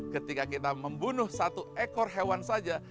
ketika kita membunuh satu ekor hewan saja